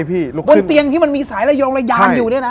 บนเตียงที่มันมีสายระโยงระยานอยู่เนี่ยนะ